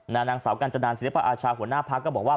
นางสาวกัญจนานศิลปอาชาหัวหน้าพักก็บอกว่า